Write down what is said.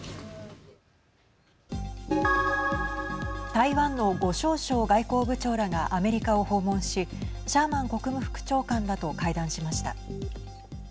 台湾の呉しょう燮外交部長らがアメリカを訪問しシャーマン国務副長官らと会談しました。